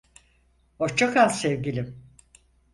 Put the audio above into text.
Hoşça kal sevgilim.